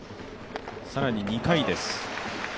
更に２回です。